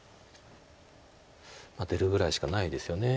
出るぐらいしかないですよね。